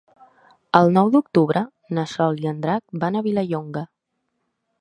El nou d'octubre na Sol i en Drac van a Vilallonga.